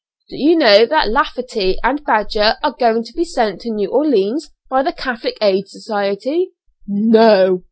Do you know that Lafferty and Badger are going to be sent to New Orleans, by the Catholic Aid Society?" "No!